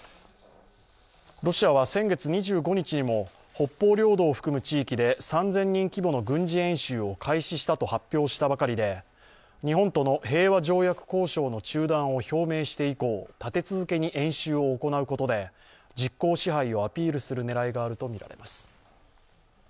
ロシアは先月２５日にも北方領土を含む地域で３０００人規模の軍事演習を開始したと発表したばかりで日本との平和条約交渉の中断を表明して以降立て続けに演習を行うことで実効支配をアピールするねらいがあるとみられます。